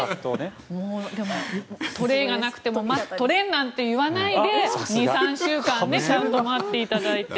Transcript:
トレーがなくても待っとれなんて言わないで２３週間待っていただいて。